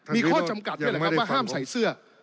มีข้อจำกัดนี่แหละครับว่าห้ามใส่เสื้อ